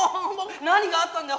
「何があったんだよ！」。